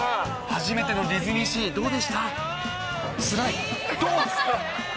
初めてのディズニーシー、どうでつらい。